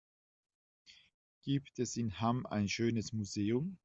Gibt es in Hamm ein schönes Museum?